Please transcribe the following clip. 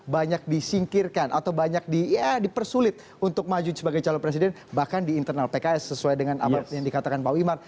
banyak disingkirkan atau banyak dipersulit untuk maju sebagai calon presiden bahkan di internal pks sesuai dengan apa yang dikatakan pak wimar